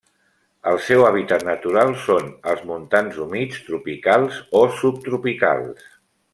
El seu hàbitat natural són els montans humits tropicals o subtropicals.